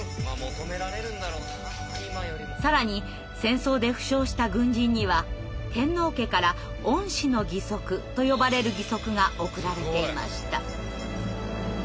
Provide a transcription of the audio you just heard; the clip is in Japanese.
更に戦争で負傷した軍人には天皇家から「恩賜の義足」と呼ばれる義足が贈られていました。